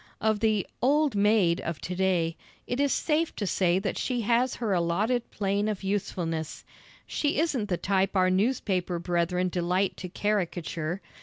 Of the "old maid" of to day, it is safe to say that she has her allotted plane of usefulness. She isn't the type our newspaper brethren delight to caricature.